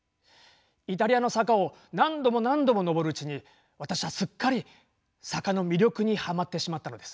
イタリアの坂を何度も何度も上るうちに私はすっかり坂の魅力にハマってしまったのです。